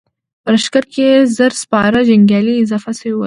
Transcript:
په لښکر کې يې زر سپاره جنګيالي اضافه شوي ول.